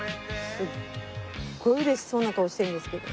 すっごい嬉しそうな顔してるんですけど。